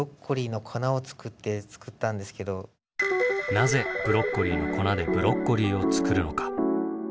なぜブロッコリーの粉でブロッコリーを作るのか？